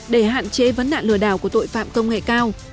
để hạn chế vấn nạn lừa đảo của tội phạm công nghệ cao